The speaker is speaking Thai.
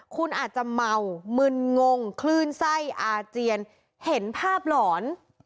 คุณอาจจะเมามึนงงคลื่นไส้อาเจียนเห็นภาพหลอน